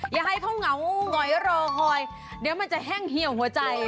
อย่าให้เขาเหงาเดี๋ยวมันจะแห้งเหี่ยวหัวใจ